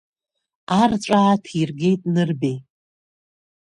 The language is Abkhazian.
Арҵәаа ааҭиргеит Нырбеи.